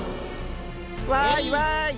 わいわい！